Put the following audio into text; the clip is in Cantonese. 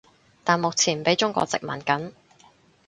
但目前畀中國殖民緊